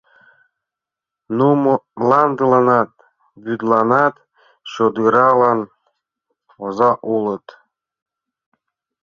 Нуно мландыланат, вӱдланат, чодыраланат оза улыт.